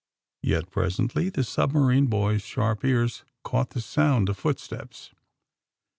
Yet presently tbe submarine boy's sbarp ears caugbt tbe sound of footsteps.